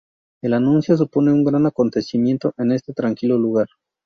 El anuncio supone un gran acontecimiento en este tranquilo lugar.